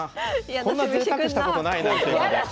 こんなぜいたくしたことないな桂馬で。